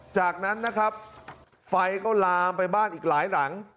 จากนั้นนะครับไฟก็ลามไปบ้านอีกหลายหลัง